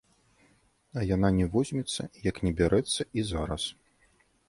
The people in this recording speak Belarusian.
А яна не возьмецца, як не бярэцца і зараз.